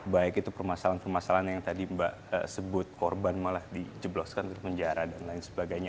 baik itu permasalahan permasalahan yang tadi mbak sebut korban malah dijebloskan untuk penjara dan lain sebagainya